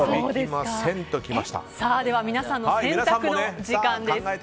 では皆さんの選択の時間です。